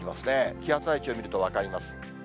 気圧配置を見ると分かります。